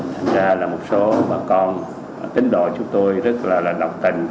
thành ra là một số bà con tính đội chúng tôi rất là đồng tình